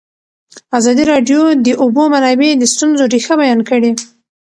ازادي راډیو د د اوبو منابع د ستونزو رېښه بیان کړې.